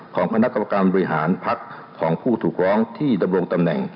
ของคณะกรรมการบริหารพักของผู้ถูกร้องที่ดำรงตำแหน่ง